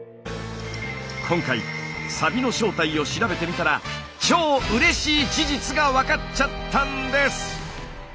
今回サビの正体を調べてみたらが分かっちゃったんです！